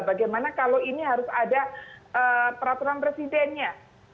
bagaimana kalau ini harus ada peraturan presidennya